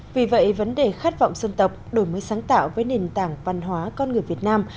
vì vậy vấn đề khát vọng dân tộc đổi mới sáng tạo với nền tảng văn hóa con người việt nam